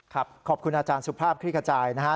ขอบคุณอาจารย์สุภาพคลิกกระจายนะฮะ